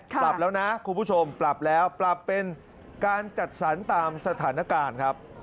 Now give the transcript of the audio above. ปรับแล้วนะคุณผู้ชมปรับแล้วปรับเป็นการจัดสรรตามสถานการณ์ครับ